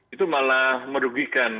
itu malah merugikan